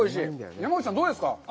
山口さん、どうですか？